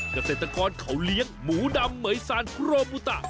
กระเศษตรกรเขาเลี้ยงหมูดำเมย์ซานคุโรบุตะ